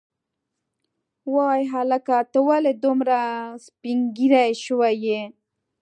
وای هلکه ته ولې دومره سپینږیری شوی یې.